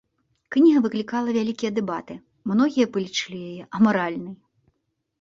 Кніга выклікала вялікія дэбаты, многія палічылі яе амаральнай.